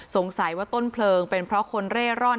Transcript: สงสัยว่าต้นเพลิงเป็นเพราะคนเร่ร่อน